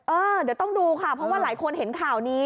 เออเดี๋ยวต้องดูค่ะเพราะว่าหลายคนเห็นข่าวนี้